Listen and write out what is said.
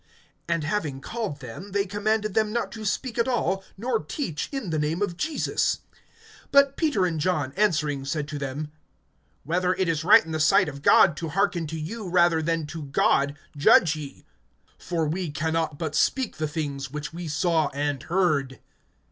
(18)And having called them, they commanded them not to speak at all, nor teach, in the name of Jesus. (19)But Peter and John answering said to them: Whether it is right in the sight of God to hearken to you rather than to God, judge ye. (20)For we can not but speak the things which we saw and heard.